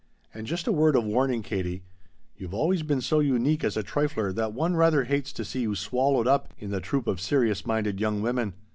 And just a word of warning, Katie. You've always been so unique as a trifler that one rather hates to see you swallowed up in the troop of serious minded young women.